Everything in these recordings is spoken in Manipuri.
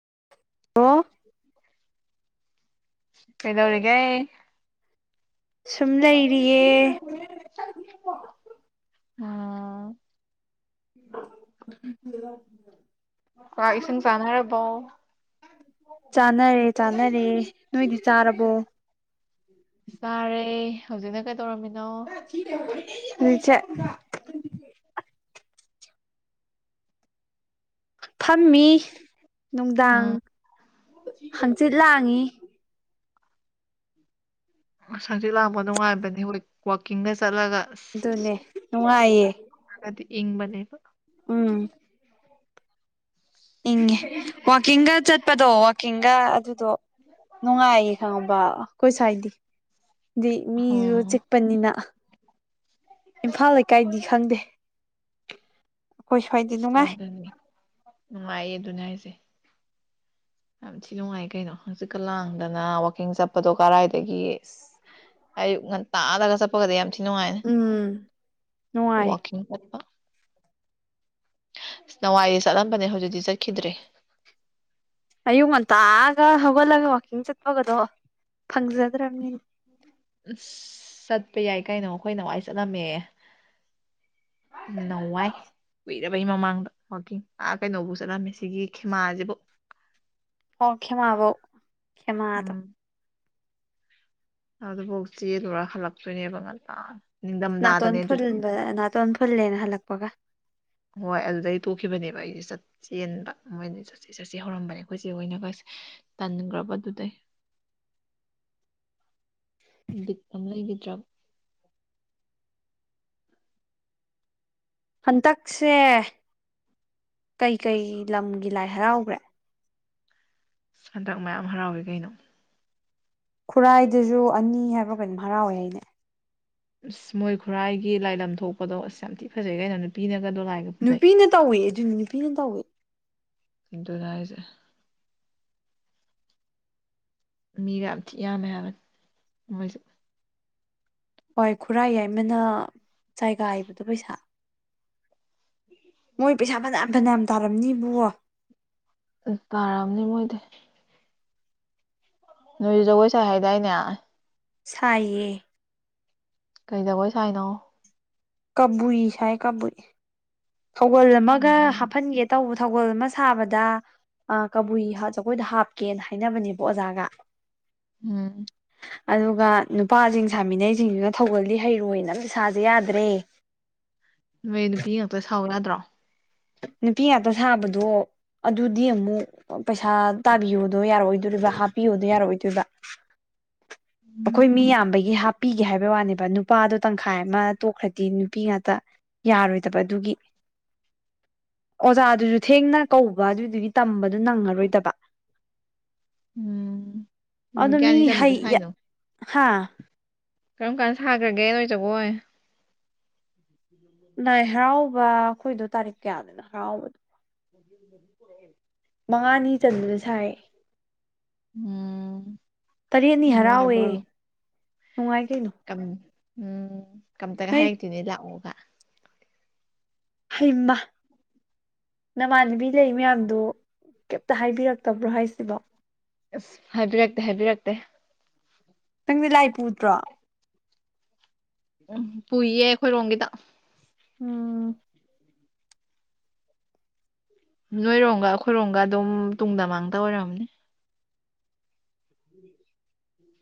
[inaudible] ꯀꯩꯗꯧꯔꯦꯒ ꯁꯨꯝ ꯂꯩꯔꯤꯌꯦ ꯑꯥ ꯀꯥꯛ ꯏꯁꯤꯡ ꯆꯥꯅꯔꯕꯣ ꯆꯥꯟꯅꯔꯦ ꯆꯥꯅꯔꯦ ꯅꯣꯏꯗꯤ ꯆꯥꯔꯕꯣ ꯁꯔꯦ ꯍꯧꯖꯤꯛꯗ ꯅꯤꯡ ꯆ ꯊꯝꯃꯤ ꯅꯨꯡꯗꯥꯡ ꯎꯝ ꯍꯪꯆꯤꯠ ꯂꯥꯡꯉꯤ ꯁꯛꯁꯤꯤ ꯂꯥꯡꯕ ꯅꯨꯡꯉꯥꯏꯕꯅꯤ ꯍꯣꯏ ꯋꯥꯋꯥꯛꯀꯤꯡꯗ ꯆꯠꯂꯒ ꯑꯁ ꯑꯗꯨꯅꯦ ꯅꯨꯡꯉꯥꯏꯌꯦ ꯏꯡ ꯃꯅꯦꯦꯕ ꯎꯝ ꯏꯪꯉꯦ ꯋꯥꯋꯥꯛꯀꯤꯡꯒ ꯆꯠꯄꯗꯣ ꯋꯥꯋꯥꯛꯀꯤꯡꯒ ꯑꯗꯨꯗꯣ ꯅꯨꯡꯉꯥꯏꯌꯦ ꯈꯪꯉꯕ ꯀꯣꯏ ꯁꯋꯥꯏꯗꯤ ꯑꯗꯨꯗꯤ ꯃꯤꯁꯨ ꯑꯣ ꯆꯦꯛꯄꯅꯤꯅ ꯑꯩꯈꯣꯏ ꯁ꯭ꯋꯥꯏꯗꯤ ꯑꯁ ꯅꯨꯡꯉꯥꯏ ꯑꯗꯨꯅꯤ ꯅꯨꯡꯉꯥꯏꯌꯦ ꯑꯗꯨꯅꯦ ꯍꯥꯏꯁꯦ ꯌꯥꯝ ꯊꯤ ꯅꯨꯡꯉꯥꯏ ꯀꯩꯅꯣ ꯍꯪꯖꯤꯛꯀ ꯂꯥꯡꯗꯅ ꯋꯥꯋꯥꯛꯀꯤꯡ ꯆꯠꯄꯗꯣ ꯀꯔꯥꯏꯗꯒꯤ ꯑꯌꯨꯛ ꯉꯟ ꯇꯥꯂꯒ ꯆꯠꯄꯒꯗꯤ ꯌꯥꯝ ꯊꯤ ꯅꯨꯡꯉꯥꯏꯅꯦ ꯎꯝ ꯅꯨꯡꯉꯥꯏ ꯋꯥꯀꯤꯡ ꯆꯠꯄ ꯑꯁ ꯅꯋꯥꯏꯗꯤ ꯆꯠꯂꯝꯕꯅꯦ ꯍꯧꯖꯤꯛꯇꯤ ꯆꯠꯈꯤꯗ꯭ꯔꯦ ꯑꯏꯣ ꯃ ꯇꯑꯒ ꯍꯒꯂꯒ ꯋꯥꯀꯤꯡ ꯆꯠꯄꯒꯗꯣ ꯐꯪꯖꯗ꯭ꯔꯕꯅꯤꯅ ꯁꯠ ꯆꯠꯄ ꯌꯥꯏ ꯀꯩꯅꯣ ꯑꯩꯈꯣꯏ ꯅꯋꯥꯏ ꯆꯠꯂꯝꯃꯦ ꯅꯧꯋꯥꯏꯨꯏ ꯄꯖꯕꯩ ꯃꯃꯥꯡꯗ ꯋꯥꯋꯥꯛꯀꯤꯡ ꯑꯥ ꯀꯩꯅꯣꯕꯨ ꯆꯠꯂꯝꯃꯤ ꯁꯤꯒꯤ ꯈꯦꯃꯥꯁꯤꯕꯨ ꯑꯣ ꯈꯦ ꯃꯥꯕꯣ ꯈꯦ ꯃꯥꯗꯣ ꯑꯗꯨꯐꯧ ꯆꯦ ꯂꯣꯏꯔ ꯍꯜꯂꯛꯇꯣꯏꯅꯦꯕ ꯉꯟꯂ ꯅꯥꯇꯣꯟ ꯐꯨꯟꯕ ꯅꯥꯇꯣꯟ ꯐꯨꯜꯂꯦꯅ ꯍꯜꯂꯛꯄꯒ ꯍꯣꯏ ꯑꯗꯨꯜꯗꯩ ꯇꯣꯛꯈꯤꯕꯅꯦꯕ ꯑꯩꯁꯦ ꯆꯠ ꯆꯦꯟꯕ ꯃꯣꯏꯗꯤ ꯆꯠꯦ ꯆꯠꯆꯦ ꯍꯧꯔꯝꯕꯅꯦ ꯑꯩꯈꯣꯏꯆꯦ ꯑꯣꯏꯅꯒꯁꯦ ꯇꯟꯈ꯭ꯔꯕꯗꯨꯗꯩ ꯕꯤ ꯂꯩꯒꯗ꯭ꯔ ꯍꯟꯇꯛꯁꯦ ꯀꯩꯀꯩ ꯂꯝꯒꯤ ꯂꯥꯏ ꯍꯔꯥꯎꯈ꯭ꯔꯦ ꯁꯟꯗꯛ ꯃꯌꯥꯝ ꯍꯔꯥꯎꯋ ꯀꯩꯅꯣ ꯈꯨꯔꯥꯏꯗꯨꯁꯨ ꯑꯅꯤ ꯍꯥꯏꯕ꯭ꯔꯥ ꯀꯩꯅꯝ ꯍꯔꯥꯎꯋꯦ ꯑꯩꯅꯦ ꯑꯁ ꯃꯣꯏ ꯈꯨꯔꯥꯏꯒꯤ ꯂꯥꯏꯂꯝ ꯊꯣꯛꯄꯗꯣ ꯑꯁ ꯌꯥꯝ ꯊꯤ ꯐꯖꯩ ꯀꯥꯏꯩꯅꯣ ꯅꯨꯄꯤꯅ ꯅꯨꯄꯤꯅ ꯇꯧꯋꯦ ꯑꯗꯨ ꯅꯨꯄꯤꯅ ꯇꯧꯋꯦ ꯀꯤꯟꯇ ꯆꯥꯏꯁꯦ ꯃꯤꯗ ꯌꯥꯝ ꯊꯤ ꯌꯥꯝꯃꯦ ꯍꯥꯏꯕꯅꯤ ꯃꯣꯏꯁꯨ ꯍꯣꯏ ꯈꯨꯔꯥꯏ ꯌꯥꯏꯃꯅ ꯆꯥꯏꯒ ꯍꯥꯏꯕꯗꯣ ꯄꯩꯁꯥ ꯃꯣꯏ ꯄꯩꯁꯥ ꯐꯅꯌꯥꯝ ꯐꯅꯌꯥꯝ ꯇꯥꯔꯝꯅꯤꯕꯣ ꯇꯥꯔꯑꯝꯅꯤ ꯃꯣꯏꯗꯤ ꯅꯣꯏꯖꯒꯣꯏ ꯆ ꯍꯥꯏꯥꯏꯗꯥꯏꯅꯦ ꯁꯌꯦ ꯀꯩꯗꯕꯣꯏ ꯆꯥꯏꯅ ꯀꯕꯨꯏ ꯁꯥꯏ ꯀꯕꯨꯏ ꯊꯧꯒꯜ ꯑꯃꯒ ꯎꯝ ꯍꯥꯞꯐꯟꯒꯦ ꯇꯧꯕꯗ ꯁꯒꯣꯜ ꯑꯃ ꯁꯥꯕꯗ ꯑ ꯀꯕꯨꯏ ꯖꯒꯣꯏꯗ ꯍꯥꯞꯀꯦꯅ ꯍꯥꯏꯅꯕꯅꯦꯕ ꯑꯣꯖꯥꯒ ꯎꯝ ꯑꯗꯨꯒ ꯅꯨꯄꯥꯁꯤꯡ ꯁꯥꯃꯤꯟꯅꯩꯁꯤꯡꯁꯤꯅ ꯊꯧꯒꯜꯜꯂꯤ ꯍꯩꯔꯣꯏꯅ ꯄꯩꯁꯥꯁꯦ ꯌꯥꯗ꯭ꯔꯦ ꯅꯣꯏ ꯅꯨꯄꯤ ꯉꯥꯛꯇ ꯁꯥꯎ ꯌꯥꯗ꯭ꯔꯣ ꯅꯨꯄꯤ ꯉꯥꯛꯇ ꯁꯥꯕꯗꯣ ꯑꯗꯨꯗꯤ ꯑꯃꯨꯛ ꯄꯩꯁꯥ ꯇꯥꯕꯤꯌꯣꯗꯣ ꯌꯥꯔꯑꯣꯏꯗꯣꯏꯔꯤꯕ ꯍꯥꯞꯄꯤꯌꯣꯗꯣ ꯌꯥꯔꯛꯑꯣꯏꯗꯣꯏꯕ [unintelligible] ꯎꯝ ꯑꯩꯈꯣꯏ ꯃꯤ ꯌꯥꯝꯕꯒꯤ ꯍꯥꯞ ꯅꯨꯄꯤꯒꯤ ꯍꯥꯏꯕ ꯋꯥꯅꯦꯕ ꯅꯨꯄꯥꯗꯣ ꯇꯪꯈꯥꯏ ꯑꯃ ꯇꯣꯛꯈ꯭ꯔꯗꯤ ꯅꯨꯄꯤ ꯉꯥꯛꯇ ꯌꯥꯔꯣꯏꯗꯕ ꯑꯗꯨꯒꯤ [unintelligible] ꯑꯣꯖꯥꯗꯨꯁꯨ ꯊꯦꯡꯅ ꯀꯧꯕ ꯑꯗꯨꯗꯨꯒꯤ ꯇꯝꯕꯗꯨꯣ ꯅꯪꯉꯔꯣꯏꯗꯕ ꯎꯝ ꯅꯨꯃꯤꯠ ꯑꯗꯨꯗꯣ ꯃꯤ ꯀꯌꯥꯅꯤ ꯍ ꯆꯟꯕꯗ ꯁꯥꯏꯅꯣ ꯍꯥ ꯀꯔꯝ ꯀꯥꯟ ꯁꯥꯈ꯭ꯔꯒꯦ ꯅꯣꯏꯖꯒꯣꯏ ꯅꯥꯏ ꯍꯔꯥꯎꯕ ꯑꯩꯈꯣꯏꯗꯣ ꯇꯥꯔꯤꯛ ꯀꯌꯥꯗꯅꯣ ꯍꯔꯥꯎꯕꯗꯣ ꯨ [unintelligible] ꯃꯉꯥꯅꯤ ꯆꯟꯗꯨꯅ ꯁꯥꯏ ꯎꯝ ꯇꯔꯦꯠꯅꯤ ꯍꯔꯥꯎꯋꯦ ꯅꯨꯡꯉꯥꯏꯕ꯭ꯔꯣ ꯅꯨꯡꯉꯥꯏ ꯀꯩꯅꯣ ꯀꯝ ꯎꯝ ꯀꯝꯇꯒ ꯅꯣꯏ ꯍꯥꯏꯔꯛꯇꯤꯅꯦ ꯂꯥꯛꯑꯣ ꯍꯩꯃ ꯅꯃꯥꯟꯅꯕꯤ ꯂꯩ ꯃꯌꯥꯝꯗꯨ ꯀꯩꯇ ꯍꯥꯏꯕꯤꯔꯛꯇꯕ꯭ꯔꯣ ꯍꯥꯏꯁꯤꯕꯣ ꯑꯁ ꯍꯥꯏꯕꯤꯔꯛꯇꯦ ꯍꯥꯏꯕꯤꯔꯛꯇꯦ ꯅꯪꯗꯤ ꯂꯥꯏ ꯄꯨꯗ꯭ꯔꯣ ꯎꯝ ꯄꯨꯏꯌꯦ ꯑꯩꯈꯣꯏꯔꯣꯝꯒꯤꯗ ꯎꯝ ꯅꯣꯏꯔꯣꯝꯒ ꯑꯩꯈꯣꯏꯔꯣꯝꯒ ꯑꯗꯨꯝ ꯇꯨꯡꯗ ꯃꯥꯡꯗ ꯑꯣꯏꯔꯝꯅꯦ ꯎꯝ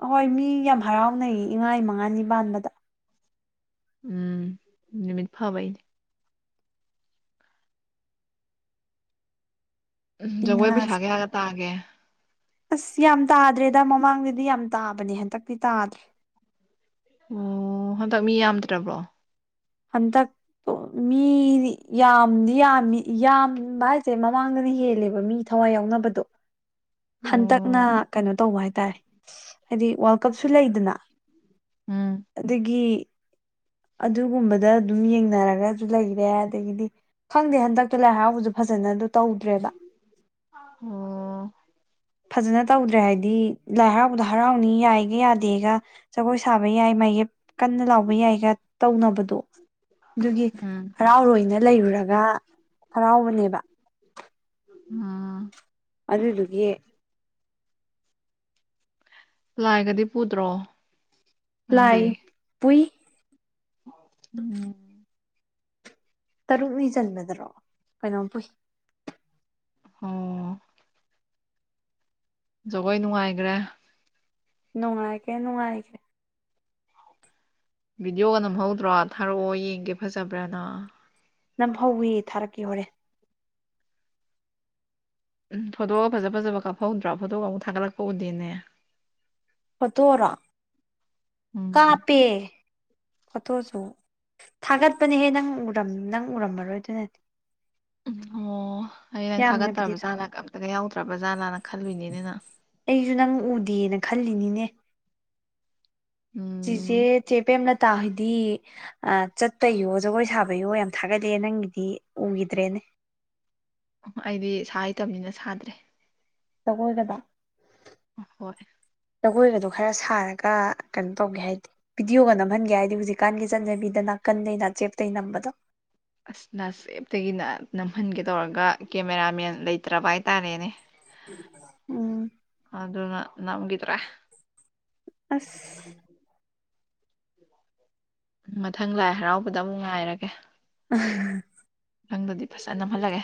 ꯑꯍꯣꯏ ꯃꯤ ꯌꯥꯝ ꯍꯔꯥꯎꯅꯩꯌꯦ ꯏꯉꯥ ꯃꯉꯥꯅꯤ ꯄꯥꯟꯕꯗ ꯎꯝ ꯅꯨꯃꯤꯠ ꯐꯕꯅꯦ ꯎꯝ ꯖꯒꯣꯏ ꯄꯩꯁꯥ ꯏꯉꯥꯁꯦ ꯀꯌꯥꯒ ꯇꯥꯒꯦ ꯑꯁ ꯌꯥꯝ ꯇꯥꯗ꯭ꯔꯦꯗ ꯃꯃꯥꯡꯗꯗꯤ ꯌꯥꯝ ꯇꯥꯕꯅꯦ ꯍꯟꯇꯛꯇꯤ ꯇꯥꯗ꯭ꯔꯦ ꯑꯣ ꯍꯟꯗꯛ ꯃꯤ ꯌꯥꯝꯗ꯭ꯔꯕ꯭ꯔꯣ ꯍꯟꯇꯛ ꯃꯤꯅꯤ ꯌꯥꯝꯗꯤ ꯌꯥꯝꯃꯤ ꯌꯥꯝꯕ ꯍꯥꯏꯁꯦ ꯃꯃꯥꯡꯗꯅ ꯍꯦꯜꯂꯦꯕ ꯃꯤ ꯊꯋꯥꯏ ꯌꯥꯎꯅꯕꯗꯣ ꯑꯣ ꯍꯟꯇꯛꯅ ꯀꯩꯅꯣ ꯇꯧꯕ ꯍꯥꯏꯇꯥꯔꯦ ꯍꯥꯏꯗꯤ ꯋꯥꯔꯜ ꯀꯞꯁꯨ ꯂꯩꯗꯅ ꯎꯝ ꯑꯗꯒꯤ ꯑꯗꯨꯒꯨꯝꯕꯗ ꯗꯗ ꯑꯗꯨꯝ ꯌꯦꯡꯅꯔꯒꯁꯨ ꯂꯩꯔꯦ ꯑꯗꯒꯤꯗꯤ ꯈꯪꯗꯦ ꯍꯟꯗꯛꯇ ꯂꯥꯏ ꯍꯔꯥꯎꯕꯁꯨ ꯐꯖꯅ ꯇꯧꯗ꯭ꯔꯦꯕ ꯑ ꯐꯖꯅ ꯇꯧꯗ꯭ꯔꯦ ꯍꯥꯏꯕꯗꯤ ꯂꯥꯏ ꯍꯔꯥꯎꯕꯗꯣ ꯍꯔꯥꯎꯅꯤ ꯌꯥꯏꯒ ꯌꯥꯗꯦꯒ ꯖꯒꯣꯏ ꯁꯥꯕ ꯌꯥꯏ ꯃꯥꯒꯤ ꯀꯟꯅ ꯂꯥꯎꯕ ꯌꯥꯏꯒ ꯇꯧꯅꯕꯗꯣ ꯑꯗꯨꯒꯤ ꯎꯝ ꯍꯔꯥꯎꯔꯣꯏꯅ ꯂꯩꯔꯨꯔꯒ ꯍꯔꯥꯎꯕꯅꯦꯕ ꯑꯥ ꯑꯔꯔꯒꯦ ꯂꯥꯏꯒꯗꯤ ꯄꯨꯗ꯭ꯔꯣ ꯂꯥꯏ ꯅꯪꯗꯤ ꯄꯏ ꯎꯝ ꯇꯔꯨꯛꯅꯤ ꯆꯟꯕꯗꯔꯣ ꯀꯩꯅꯣꯝ ꯄꯨꯏ ꯑꯣ ꯖꯒꯣꯏ ꯅꯨꯡꯉꯥꯏꯈ꯭ꯔꯦ ꯅꯨꯡꯉꯥꯏꯒꯦ ꯅꯨꯡꯉꯥꯏꯒꯦ ꯚꯤꯗꯤꯑꯣꯒ ꯅꯝꯍꯧꯗ꯭ꯔꯣ ꯊꯥꯔꯛꯑꯣ ꯌꯦꯡꯒꯦ ꯐꯖꯕ꯭ꯔꯅ ꯅꯝ ꯍꯧꯧꯋꯤ ꯊꯥꯔꯛꯀꯦ ꯍꯣꯔꯦ ꯎꯝ ꯐꯣꯇꯣꯒ ꯐꯖ ꯐꯖꯕ ꯀꯥꯞꯐꯧꯗ꯭ꯔꯥ ꯐꯣꯇꯣꯒ ꯑꯃꯨꯛ ꯊꯥꯒꯠꯂꯛꯄ ꯎꯗꯦꯅꯦ ꯐꯠꯇꯣꯔꯣ ꯎꯝ ꯀꯥꯞꯄꯦ ꯐꯣꯇꯣꯁꯨ ꯊꯥꯒꯠꯄꯅꯦꯍꯦ ꯅꯪ ꯅꯪ ꯎꯔꯝꯃꯔꯣꯏ ꯑꯗꯨꯅꯗꯤ ꯎꯝ ꯑꯣ ꯍꯌꯦ ꯅꯪ ꯌꯥꯝꯅꯕꯨꯗꯤ ꯊꯥꯒꯠꯇ꯭ꯔꯕꯖꯥꯠꯅ ꯑꯝꯇꯒ ꯌꯥꯎꯗ꯭ꯔꯕꯖꯥꯠꯅꯅꯪ ꯈꯂꯕꯤꯅꯤꯅꯅ ꯑꯩꯁꯨ ꯅꯪ ꯎꯗꯦꯅ ꯈꯜꯂꯤꯅꯤꯅꯦ ꯆꯁꯦ ꯎꯝ ꯆꯦꯄꯦ ꯇꯥꯥ ꯍꯣꯏꯗꯤ ꯆꯠꯇꯌꯣ ꯖꯒꯣꯏ ꯁꯥꯕꯌꯣ ꯌꯥꯝ ꯊꯥꯒꯠꯂꯑꯦ ꯅꯪꯒꯤꯗꯤ ꯎꯈꯤꯗ꯭ꯔꯦꯅꯦ ꯑꯩꯗꯤ ꯁꯥ ꯍꯩꯇꯕꯅꯤꯅ ꯁꯥꯗ꯭ꯔꯦ ꯇꯒꯣꯏꯗꯕ ꯍꯣꯏ ꯖꯒꯣꯏꯒꯗꯣ ꯈꯔ ꯁꯥꯔꯒ ꯀꯩꯅꯣ ꯇꯧꯒꯦ ꯍꯥꯏꯗꯤ ꯚꯤꯗꯤꯑꯣꯒ ꯅꯝꯍꯟꯒꯦ ꯍꯥꯏꯗꯤ ꯍꯧꯖꯤꯛꯀꯥꯟꯒꯤ ꯆꯠꯅꯕꯤꯗꯅ ꯅꯥ ꯀꯟꯗꯩꯅꯆꯦꯞꯇꯩ ꯅꯝꯕꯗꯣ ꯑꯁ ꯅꯁꯦꯞꯇꯒꯤꯅ ꯅꯝꯍꯟꯒꯦ ꯇꯧꯔꯒ ꯀꯦꯃꯦꯔꯥꯃꯦꯟ ꯂꯩꯇ꯭ꯔꯕ ꯍꯥꯏꯇꯥꯥꯔꯦꯅꯦ ꯎꯝ ꯑꯅ ꯅꯪꯒꯗ꯭ꯔꯥ ꯑꯁ ꯃꯊꯪ ꯂꯥꯏ ꯍꯔꯥꯎꯕꯗ ꯑꯃꯨꯛ ꯉꯥꯏꯔꯒꯦ ꯎ ꯅꯪꯗꯨꯗꯤ ꯐꯖ ꯅꯝꯍꯜꯂꯒꯦ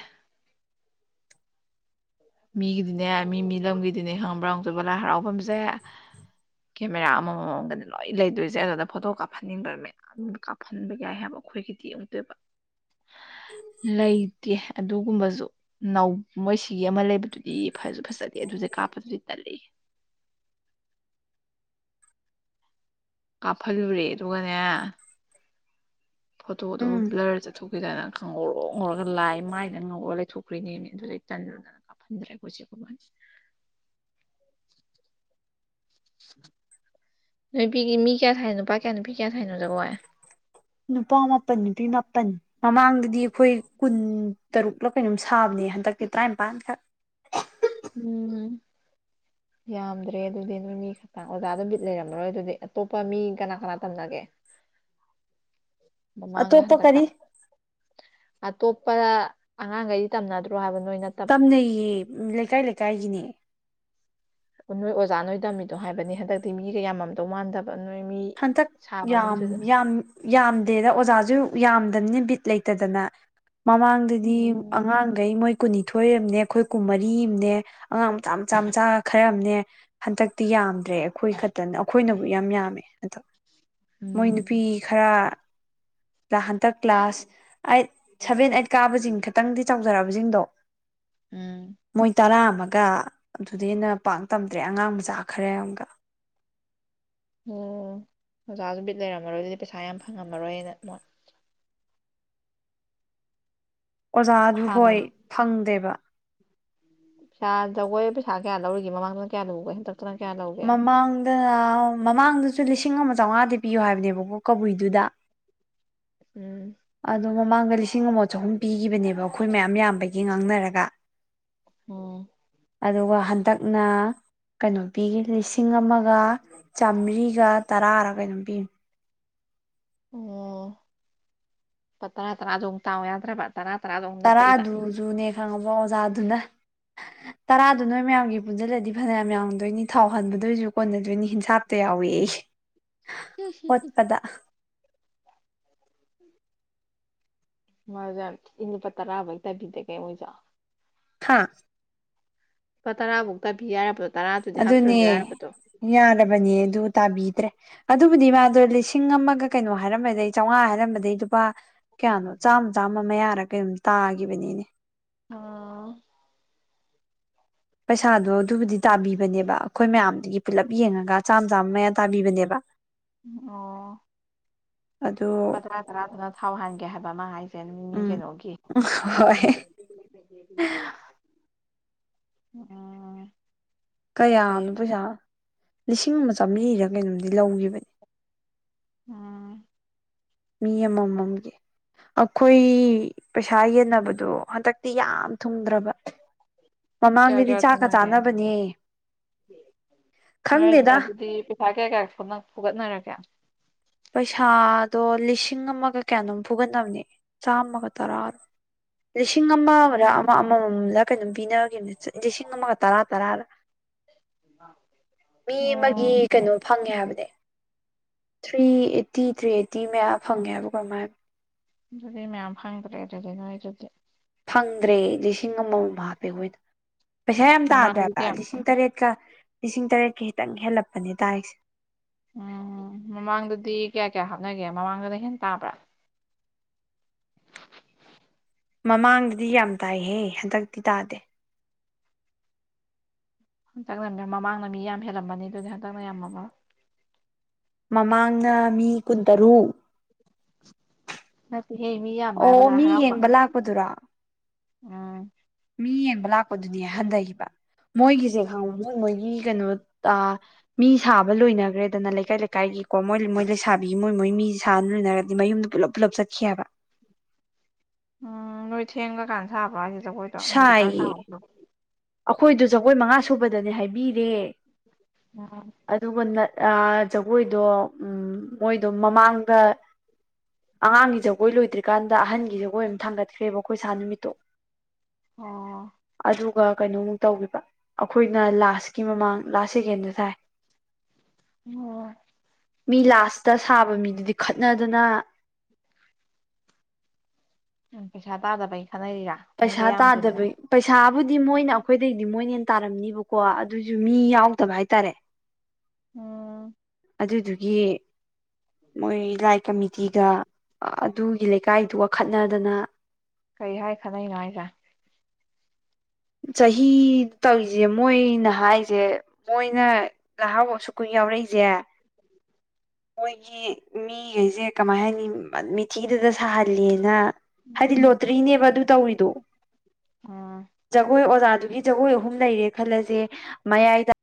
ꯃꯤꯒꯤꯗꯤꯅꯦ ꯃꯤ ꯃꯤ ꯂꯝꯒꯤꯗꯤꯅꯦ ꯈꯪꯕ꯭ꯔꯥ ꯍꯧꯪ ꯆꯕ ꯂꯥꯏ ꯍꯔꯥꯎꯐꯝꯁꯦ ꯀꯦꯃꯦꯔꯥ ꯑꯃꯃꯝꯗꯗꯤ ꯂꯣꯏ ꯂꯩꯗꯣꯏꯁꯦ ꯑꯗꯨꯗ ꯐꯣꯇꯣ ꯀꯥꯞꯍꯟꯅꯤꯡꯕ ꯃꯌꯥꯝ ꯀꯥꯞꯍꯟꯕ ꯌꯥꯏ ꯍꯥꯏꯕꯀꯣ ꯑꯩꯈꯣꯏꯒꯤꯗꯤ ꯌꯦꯡꯛꯇꯣꯏꯕ ꯂꯩꯇꯦ ꯑꯗꯨꯒꯨꯝꯕꯁꯨ ꯅꯧ ꯃꯣꯏꯁꯤ ꯑꯃ ꯂꯩꯕꯗꯨꯗꯤ ꯐꯁꯨ ꯐꯖꯗꯦ ꯑꯗꯨꯁꯦ ꯀꯥꯞꯄꯗꯨꯗꯤ ꯇꯜꯂꯤ [inaudible] ꯀꯥꯞꯍꯜꯂꯨꯔꯦ ꯑꯗꯨꯒꯅꯦ ꯐꯣꯇꯣꯗꯨꯕꯨ ꯎꯝ ꯕ꯭ꯂꯔ ꯆꯠꯊꯣꯛꯈꯤꯦꯗꯅ ꯈꯪꯍꯧꯔ ꯉꯧꯔꯒ ꯂꯥꯏ ꯃꯥꯏꯗꯅ ꯉꯧꯔꯒ ꯂꯩꯊꯣꯛ ꯄꯨꯈꯨꯔꯤꯅꯦꯅꯦ ꯑꯗꯨꯗꯩ ꯇꯟꯗꯗꯅ ꯀꯥꯞꯍꯟꯗ꯭ꯔꯦ ꯑꯩꯈꯣꯏꯁꯦ ꯀꯃ ꯅ ꯄꯤ ꯃꯤ ꯀꯌꯥ ꯊꯥꯏꯅ ꯄ ꯀꯌꯥ ꯅꯨ ꯄꯤ ꯅꯨꯄꯥ ꯃꯥꯄꯟ ꯅꯨꯄꯤ ꯃꯥꯄꯟ ꯃꯃꯥꯡꯗ ꯍꯥꯏꯗꯤ ꯑꯩꯈꯣꯏ ꯀꯨꯟ ꯇꯔꯨꯛꯂ ꯀꯩꯅꯣꯝ ꯁꯥꯕꯅꯦ ꯍꯟꯗꯛꯇꯤ ꯇꯔꯥꯅꯤꯄꯥꯟꯈꯛ [inaudible] ꯌꯥꯝꯗ꯭ꯔꯦ ꯑꯗꯨꯗꯤ ꯅꯣꯏ ꯃꯤ ꯈꯛꯇꯪ ꯑꯣꯖꯥꯗꯨꯠ ꯂꯩꯔꯝꯃꯔꯣꯏ ꯑꯗꯨꯗꯤ ꯑꯇꯣꯞꯄ ꯃꯤ ꯀꯅꯥ ꯀꯅꯥ ꯇꯝꯅꯒꯦ ꯑꯇꯣꯞꯄ ꯃꯥꯥꯡꯉꯍꯟꯗꯀꯥ ꯀꯔꯤ ꯑꯇꯣꯞꯄ ꯑꯉꯥꯡꯈꯩꯗꯤ ꯇꯝꯅꯗ꯭ꯔꯣ ꯍꯥꯏꯕꯅꯤ ꯇꯝꯅꯩꯌꯦ ꯂꯩꯀꯥꯏ ꯂꯩꯀꯥꯏꯒꯤꯅꯦ ꯅꯣꯏ ꯑꯣꯖꯥ ꯅꯣꯏ ꯇꯝꯃꯤꯗꯣ ꯍꯥꯏꯕꯅꯤ ꯍꯟꯗꯛꯇꯤ ꯃꯤꯒ ꯌꯥꯝꯃꯝꯗꯧ ꯃꯥꯟꯗꯕ ꯅꯣꯏ ꯃꯤ ꯍꯟꯇꯛ ꯁꯥꯕ ꯌꯥꯝ ꯃꯤꯗꯨꯗ ꯌꯥꯝ ꯌꯥꯝꯗꯦꯗ ꯑꯣꯖꯥꯁꯨ ꯌꯥꯝ ꯑꯗꯨꯕꯤꯠ ꯂꯩꯇꯗꯅ ꯃꯃꯥꯡꯗꯗꯤ ꯎꯝ ꯑꯉꯥꯡꯈꯩ ꯃꯣꯏ ꯀꯨꯟꯅꯤꯊꯣꯏ ꯑꯃꯅꯦ ꯑꯩꯈꯣꯏ ꯀꯨꯟ ꯃꯔꯤꯅꯦ ꯑꯉꯥꯡ ꯃꯆꯥ ꯃꯆꯥ ꯃꯆꯥ ꯈꯔ ꯑꯃꯅꯦ ꯍꯟꯇꯤ ꯌꯥꯝꯗ꯭ꯔꯦ ꯑꯩꯈꯣꯏ ꯈꯛꯇꯅ ꯑꯩꯈꯣꯏꯅꯕꯨ ꯌꯥꯝ ꯌꯥꯝꯃꯦ ꯑ ꯃꯣꯏ ꯅꯨꯄꯤ ꯎꯝ ꯈꯔꯍꯟꯇꯛ ꯀ꯭ꯂꯥꯁ ꯑꯩꯠ ꯁꯚꯦꯟ ꯑꯩꯠ ꯀꯥꯕꯁꯤꯡ ꯈꯤꯇꯪꯗꯤ ꯆꯥꯎꯖꯔꯑꯕꯁꯤꯡꯗꯣ ꯎꯝ ꯃꯣꯏ ꯇꯔꯥ ꯑꯕ ꯒ ꯑꯗꯨꯗꯦꯟꯅ ꯄꯥꯛ ꯇꯝꯗ꯭ꯔꯦ ꯑꯉꯥꯡ ꯃꯆꯥ ꯈꯔꯦ ꯑꯃꯒ ꯑꯣ ꯑꯣꯖꯥꯁꯨ ꯕꯤꯠ ꯂꯩꯔꯝꯃꯔꯣꯏ ꯑꯗꯨꯗꯤ ꯄꯩꯁꯥ ꯌꯥꯝ ꯐꯪꯉꯝꯃꯔꯣꯏꯅ ꯃꯣꯏ ꯑꯣꯖꯥꯗꯨ ꯍꯥꯟꯅ ꯍꯣꯏ ꯐꯪꯗꯦꯕ ꯄꯩꯁꯥ ꯖꯒꯣꯏ ꯄꯩꯁꯥ ꯀꯌꯥ ꯂꯧꯔꯤꯒꯦꯃꯥꯡꯗꯅ ꯀꯌꯥ ꯂꯨꯕꯦ ꯃꯃꯥꯡꯗ ꯃꯃꯥꯡꯗꯁꯨ ꯂꯤꯁꯤꯡ ꯑꯃ ꯆꯥꯝꯃꯉꯥꯗꯤ ꯄꯤꯌꯣ ꯍꯥꯏꯕꯅꯦꯕꯀꯣ ꯀꯕꯨꯏꯗꯨꯗ ꯎꯝ ꯑꯗꯣ ꯃꯃꯥꯡꯗ ꯂꯤꯁꯤꯡ ꯑꯃ ꯆꯍꯨꯝ ꯄꯤꯈꯤꯕꯅꯦꯕ ꯑꯩꯈꯣꯏ ꯃꯌꯥꯝ ꯌꯥꯝꯕꯒꯤ ꯉꯥꯡꯅꯔꯒ ꯑꯣ ꯑꯗꯨꯒ ꯍꯟꯗꯛꯅ ꯀꯩꯅꯣ ꯄꯤꯈꯤ ꯂꯤꯁꯤꯡ ꯑꯃꯒ ꯆꯥꯝꯃꯔꯤꯒ ꯇꯔꯥꯔꯥ ꯀꯩꯅꯣ ꯄꯤ ꯑꯣꯝ ꯄꯠꯇ꯭ꯔ ꯇ꯭ꯔ ꯑꯗꯨ ꯇ ꯌꯥꯗ꯭ꯔꯕ ꯇꯔꯥ ꯇꯔꯥꯗꯣ ꯑꯃꯨꯛ ꯅꯞꯄꯛꯏꯕ ꯇꯔꯥꯗꯨꯖꯨꯅꯦ ꯈꯪꯉꯕ꯭ꯔꯣ ꯑꯣꯖꯥꯗꯨꯅ [unintelligible] ꯇꯔꯥꯗꯣ ꯅꯣꯏ ꯃꯌꯥꯝꯒꯤ ꯄꯨꯟꯁꯤꯜꯂꯗꯤ ꯐꯅꯌꯥꯝ ꯌꯥꯝꯡꯗꯣꯏꯅꯤ ꯊꯥꯎ ꯍꯟꯕꯗꯣꯏꯔꯁꯨ ꯀꯣꯟꯅꯗꯣꯏꯅꯤ ꯍꯤꯟꯁꯥꯞꯇ ꯌꯥꯎꯏꯦ ꯍꯠꯄꯗ ꯃꯖꯥ ꯏꯖ ꯄ ꯇꯔꯥꯑꯕ ꯏ ꯇꯕꯤꯗꯦ ꯀꯩ ꯍꯧ ꯆꯥꯎ ꯍꯥꯥ ꯂꯨꯄꯥ ꯇꯔꯥꯐꯧ ꯇ ꯄꯤ ꯌꯥꯔꯕꯣ ꯑꯗꯨꯅꯦ ꯌꯥꯔꯕꯅꯦ ꯑꯗꯨ ꯇꯥꯕꯤꯗ꯭ꯔꯦ ꯑꯗꯨꯕꯨꯗꯤ ꯃꯥꯗꯣ ꯂꯤꯁꯤꯡ ꯑꯃꯒ ꯀꯩꯅꯣ ꯍꯥꯏꯔꯝꯕꯗꯒꯤ ꯆꯥꯃꯉꯥ ꯍꯥꯏꯔꯝꯕꯗꯒꯤ ꯂꯨꯄꯥ ꯀꯌꯥꯅꯣ ꯥꯆꯥꯝꯃ ꯃꯌꯥꯔ ꯀꯩꯨꯝꯝ ꯇꯥꯒꯤꯈꯤꯕꯅꯤꯅꯦ ꯑꯣꯥ ꯄꯩꯁꯥꯗꯣ ꯑꯗꯨꯕꯨꯗꯤ ꯇꯥꯕꯤꯕ ꯅꯦꯕ ꯑꯩꯈꯣꯏ ꯃꯌꯥꯝꯗꯨꯒꯤ ꯄꯨꯂꯞ ꯌꯦꯡꯉꯒ ꯆꯥꯝ ꯆꯥꯝꯃ ꯃꯌꯥ ꯇꯥꯕꯤꯕꯅꯦꯕ ꯑꯣ ꯑꯗꯨ ꯂꯨꯄꯥ ꯇꯔꯥ ꯇꯔꯥꯗꯨꯅ ꯊꯥꯎ ꯍꯟꯒꯦ ꯍꯥꯏꯕ ꯑꯃ ꯍꯥꯏꯁꯦ ꯃꯤ ꯎꯝ ꯀꯩꯅꯣꯒꯤ ꯍꯣꯏ ꯎꯝ ꯀꯌꯥꯅꯣ ꯐꯩꯌꯦ ꯄꯩꯁꯥ ꯂꯤꯁꯤꯡ ꯑꯃ ꯆꯥꯝꯃꯔꯤꯗ ꯀꯩꯅꯣꯝꯗꯤ ꯂꯧꯈꯤꯕꯅꯤ ꯑꯝ ꯃꯤ ꯑꯃꯃꯝꯒꯤ ꯑꯩꯈꯣꯏ ꯄꯩꯁꯥ ꯌꯦꯟꯅꯕꯗꯣ ꯍꯟꯗꯛꯇꯤ ꯌꯥꯝ ꯊꯨꯡꯗ꯭ꯔꯕ ꯀꯌꯥ ꯃꯃꯥꯡꯗꯗꯤ ꯀꯌꯥ ꯆꯥꯛꯀ ꯁꯥꯟꯅꯒꯦ ꯆꯥꯅꯕꯅꯦ ꯅꯣꯏ ꯈꯪꯗꯦꯗ ꯑꯗꯨꯗꯤ ꯄꯩꯁꯥ ꯀꯌꯥ ꯀꯌꯥ ꯐꯒꯠꯅꯔꯒꯦ ꯄꯩꯁꯥꯗꯣ ꯂꯤꯁꯤꯡ ꯑꯃꯒ ꯀꯌꯥꯅꯣꯝ ꯐꯨꯒꯠꯅꯕꯅꯦ ꯆꯥꯝꯃꯒ ꯇꯔꯥ ꯀ ꯂꯤꯁꯤꯡ ꯑꯃꯔ ꯑꯃ ꯑꯃꯃꯝꯗ ꯀꯩꯅꯣꯝ ꯄꯤꯅꯈꯤꯕꯅꯦ ꯂꯤꯁꯤꯡ ꯑꯃꯒ ꯇꯔꯥ ꯇꯔꯥꯗ ꯃꯤ ꯑꯃꯒꯤ ꯑꯣ ꯀꯩꯅꯣ ꯐꯪꯉꯦ ꯍꯥꯏꯕꯅꯦ ꯊ꯭ꯔꯤ ꯑꯦꯠꯇꯤ ꯊ꯭ꯔꯤ ꯑꯦꯠꯇꯤ ꯃꯌꯥꯝ ꯐꯪꯉꯦꯕ ꯀꯔꯃꯥꯏꯅ ꯑꯗꯨꯗꯤ ꯃꯌꯥꯝ ꯐꯪꯗ꯭ꯔꯦ ꯑꯗꯨꯗꯤ ꯅꯣꯏ ꯑꯗꯨꯗꯤ ꯐꯪꯗ꯭ꯔꯦ ꯂꯤꯁꯤꯡ ꯑꯃꯃꯝ ꯍꯥꯞꯄꯦ ꯑꯩꯈꯣꯏꯗ ꯄꯩꯁꯥ ꯌꯥꯝ ꯃꯃꯥꯡꯗꯗꯤ ꯇꯥꯗ꯭ꯔꯦꯕ ꯀꯌꯥ ꯂꯤꯁꯤꯡ ꯇꯔꯦꯠꯀ ꯂꯤꯁꯤꯡ ꯇꯔꯦꯠꯀ ꯈꯤꯇꯪ ꯍꯦꯜꯂꯛꯄꯅꯦ ꯇꯥꯔꯤꯁꯦ ꯎꯝ ꯃꯃꯥꯡꯗꯗꯤ ꯀꯌꯥ ꯀꯌꯥ ꯍꯥꯞꯅꯒꯦ ꯃꯃꯥꯡꯗꯅ ꯍꯦꯟ ꯇꯥꯕ꯭ꯔꯥ ꯃꯃꯥꯡꯗꯗꯤ ꯌꯥꯝ ꯇꯥꯏꯍꯦ ꯍꯟꯗꯛꯇꯤ ꯇꯥꯗꯦ ꯍꯟꯇꯛꯅ ꯃꯃꯥꯡꯗ ꯃꯤ ꯌꯥꯝ ꯍꯦꯜꯂꯝꯕꯅꯤ ꯑꯗꯨꯗꯤ ꯍꯟꯇꯛꯅ ꯌꯥꯝꯃꯕ ꯃꯃꯥꯡꯅ ꯃꯤ ꯀꯨꯟꯇꯔꯨꯛ ꯑ ꯑꯣ ꯃꯤ ꯌꯦꯡꯕ ꯂꯥꯛꯄꯗꯨꯔ ꯎꯝ ꯃꯤ ꯌꯦꯡꯕ ꯂꯥꯛꯄꯗꯨꯅꯦ ꯍꯟꯊꯈꯤꯕ ꯃꯣꯏꯒꯤꯁꯦ ꯈꯉ ꯃꯣꯏ ꯃꯣꯏꯒꯤ ꯀꯩꯅꯣ ꯑ ꯃꯤ ꯁꯥꯕ ꯂꯣꯏꯅꯈ꯭ꯔꯦꯗꯅ ꯂꯩꯀꯥꯏ ꯂꯩꯀꯥꯏꯒꯤꯀꯣ ꯃꯣꯏ ꯃꯣꯏ ꯂꯩꯁꯕꯤ ꯃꯣꯏ ꯃꯣꯏ ꯃꯤ ꯁꯥꯅ ꯂꯣꯏꯅꯔꯗꯤ ꯃꯌꯨꯝꯗ ꯄꯨꯂꯞ ꯂ ꯆꯠꯈꯤꯕ ꯎꯝ ꯅꯣꯏ ꯊꯦꯡꯒꯀꯥꯟ ꯁꯥꯕ꯭ꯔꯥ ꯍꯥꯏꯁꯤ ꯖꯈꯣꯏꯗꯣ ꯍꯧꯖꯤꯛꯀꯥꯟ ꯁꯥ ꯑꯩꯈꯣꯏꯗꯨ ꯖꯒꯣꯏ ꯃꯉꯥ ꯁꯨꯕꯗꯅꯦ ꯍꯥꯏꯕꯤꯔꯦ ꯎꯝ ꯑꯗꯨꯒ ꯖꯒꯣꯏꯗꯣ ꯎꯝ ꯃꯣꯏꯗꯣ ꯃꯃꯥꯡꯗ ꯑꯉꯥꯡꯒꯤ ꯖꯒꯣꯏ ꯂꯣꯏꯗ꯭ꯔꯤꯀꯥꯟꯗ ꯑꯍꯟꯒꯤ ꯖꯒꯣꯏ ꯑꯃꯝ ꯊꯥꯡꯒꯠꯈ꯭ꯔꯦꯕ ꯑꯩꯈꯣꯏ ꯁꯥ ꯅꯨꯃꯤꯠꯇꯣ ꯑꯣ ꯑꯗꯨꯒ ꯀꯩꯅꯣꯃꯨꯛ ꯇꯧꯕ ꯑꯩꯈꯣꯏꯅ ꯂꯥꯁꯀꯤ ꯃꯃꯥꯡ ꯂꯥꯁ ꯁꯦꯀꯦꯟꯗ ꯊꯥꯏ ꯎꯝ ꯃꯤ ꯂꯥꯁꯇ ꯁꯥꯕ ꯃꯤꯗꯨꯗꯤ ꯈꯠꯅꯗꯨꯅ ꯑꯦꯁꯥ ꯇꯥꯗꯕꯥꯏ ꯄꯩꯁꯥ ꯇꯥꯗꯕꯩ ꯄꯩꯁꯥꯕꯨꯗꯤ ꯃꯣꯏꯅ ꯑꯩꯈꯣꯏꯗꯩꯗꯤ ꯃꯣꯏꯅ ꯇꯥꯔꯝꯅꯤꯕꯀꯣ ꯑꯗꯨꯏꯁꯨ ꯃꯤ ꯌꯥꯎꯗꯕ ꯍꯥꯏꯇꯥꯔꯦ ꯑꯝ ꯑꯗꯨꯗꯨꯒꯤ ꯃꯣꯏ ꯂꯥꯏ ꯀꯃꯤꯇꯤꯒ ꯑꯗꯨꯒꯤ ꯂꯩꯀꯥꯏꯗꯨ ꯋꯥꯈꯠꯅꯗꯅ ꯀꯔꯤ ꯍꯥꯏ ꯈꯅꯩꯅꯣ ꯍꯥꯏꯁꯦ ꯆꯍꯤ ꯇꯧꯔꯤꯁꯦ ꯃꯣꯏꯅ ꯍꯥꯏꯁꯦ ꯃꯣꯏꯅ ꯅꯍꯥꯎꯕꯁꯨ ꯀꯨꯏ ꯌꯥꯎꯔꯛꯏꯁꯦ ꯎꯝ ꯃꯣꯏꯒꯤ ꯃꯤꯈꯩꯁꯦ ꯀꯃꯥꯏ ꯍꯥꯏꯅꯤ ꯃꯊꯤꯗꯨꯗ ꯁꯥꯍꯜꯂꯤꯦꯅ ꯍꯥꯏꯗꯤ ꯂꯣꯇ꯭ꯔꯤꯅꯦꯕ ꯑꯗꯨ ꯇꯧꯔꯤꯗꯣ ꯑꯥ ꯖꯒꯣꯏ ꯑꯣꯖꯥꯗꯨꯒꯤ ꯖꯒꯣꯏ ꯑꯍꯨꯝ ꯂꯩꯔꯦ ꯈꯜꯂꯁꯦ ꯃꯌꯥꯏꯗ